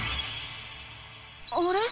あれ？